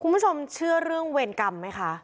คุณผู้ชมเชื่อเรื่องเวรกรรมไหมคะ